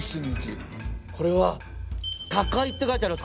これは他界って書いてあります